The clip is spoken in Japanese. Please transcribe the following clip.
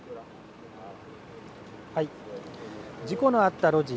事故のあった路地